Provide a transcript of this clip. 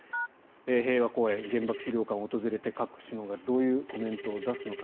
平和公園、原爆資料館を訪れて各国首脳がどういうコメントを出すのか。